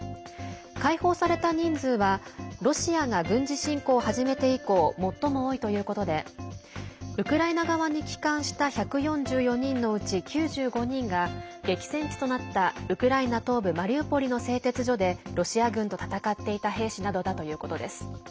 解放された人数はロシアが軍事侵攻を始めて以降最も多いということでウクライナ側に帰還した１４４人のうち９５人が激戦地となったウクライナ東部マリウポリの製鉄所でロシア軍と戦っていた兵士などだということです。